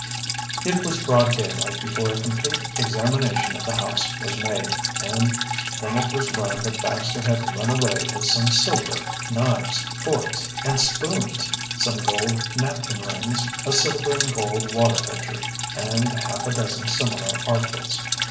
It was broad daylight before a complete examination of the house was made, and then it was learned that Baxter had run away with some silver knives, forks, and spoons, some gold napkin rings, a silver and gold water pitcher, and half a dozen similar articles.